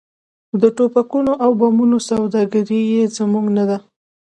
د ټوپکونو او بمونو سوداګري یې زموږ نه ده.